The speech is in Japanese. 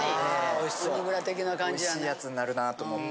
おいしいやつになるなと思って。